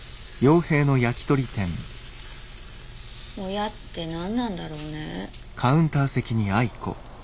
親って何なんだろうね。